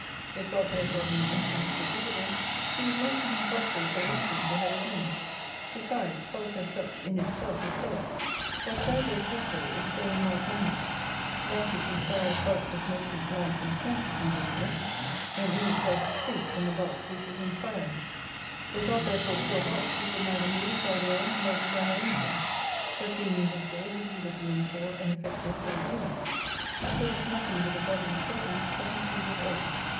If God therefore being infinite were visible He would make it impossible for anything to have a being. Besides, bulk as such in itself is dead. "Whatsoever is visible is so in like manner. That which inspireth bulk with motion, life, and sense is invisible i and in itself 90 distinct from the bulk which it inspircth. Were God therefore pure bulk, He could neither move, nor will, nor desire anything ; but being invisible, He leaveth room for and effecteth all things. He fiUeth nothing with a bodily presence, but includeth all.